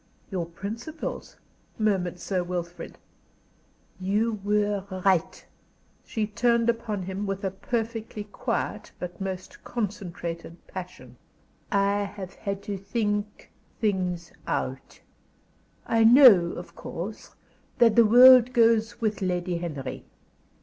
"Your principles?" murmured Sir Wilfrid. "You were right," she turned upon him with a perfectly quiet but most concentrated passion. "I have had to think things out. I know, of course, that the world goes with Lady Henry.